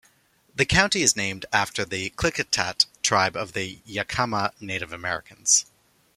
The county is named after the Klickitat tribe of the Yakama Native Americans.